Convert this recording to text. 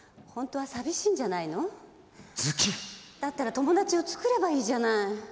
だったら友達を作ればいいじゃない。